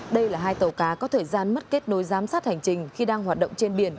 đây là hai tàu cá có thời gian mất kết nối giám sát hành trình khi đang hoạt động trên biển